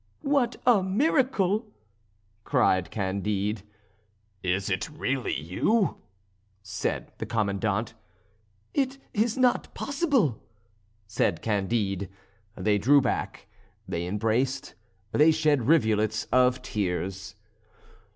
"What a miracle!" cried Candide. "Is it really you?" said the Commandant. "It is not possible!" said Candide. They drew back; they embraced; they shed rivulets of tears.